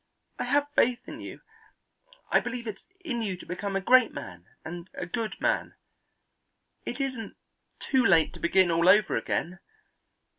I have faith in you. I believe it's in you to become a great man and a good man. It isn't too late to begin all over again.